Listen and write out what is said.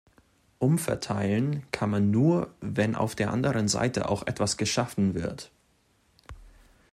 Umverteilen kann man nur, wenn auf der anderen Seite auch etwas geschaffen wird.